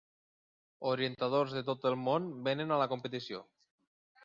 Orientadors de tot el món vénen a la competició.